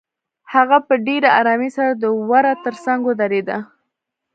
هغه په ډېرې آرامۍ سره د وره تر څنګ ودرېده.